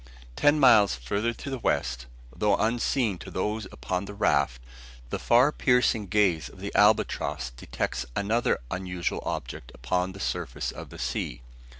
Ten miles farther to the west, though unseen to those upon the raft, the far piercing gaze of the albatross detects another unusual object upon the surface of the sea.